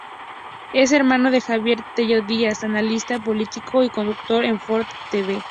Es hermano de Javier Tello Díaz, analista político y conductor en Foro Tv.